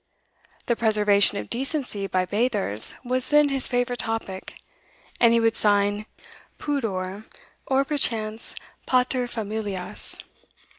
The preservation of decency by bathers was then his favourite topic, and he would sign 'Pudor,' or perchance 'Paterfamilias.